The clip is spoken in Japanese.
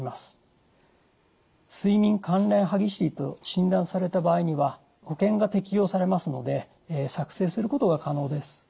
睡眠関連歯ぎしりと診断された場合には保険が適用されますので作成することが可能です。